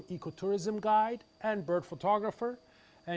menjadi penulis ekoturisme penonton burung dan fotografer burung